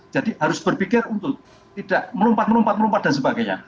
jadi harus berpikir untuk tidak melompat melompat dan sebagainya